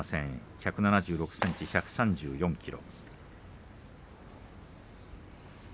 １７６ｃｍ１３４ｋｇ。